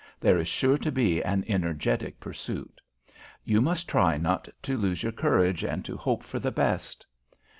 There is sure to be an energetic pursuit. You must try not to lose your courage, and to hope for the best."